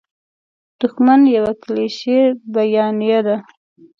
دوښمن یوه کلیشیي بیانیه ده.